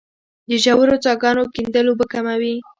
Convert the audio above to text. د ژورو څاګانو کیندل اوبه کموي